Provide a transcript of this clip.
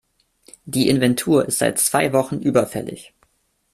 Die Inventur ist seit zwei Wochen überfällig.